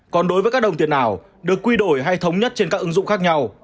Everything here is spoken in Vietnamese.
còn đối với các đồng tiền nào được quy đổi hay thống nhất trên các ứng dụng khác nhau